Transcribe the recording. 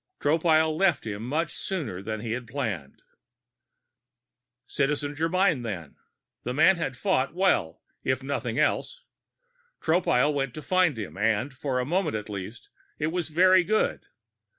Tropile left him much sooner than he had planned. Citizen Germyn, then? The man had fought well, if nothing else. Tropile went to find him and, for a moment at least, it was very good.